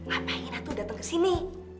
apa ingin atu datang ke sini